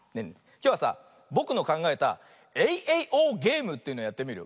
きょうはさぼくのかんがえたエイエイオーゲームというのやってみるよ。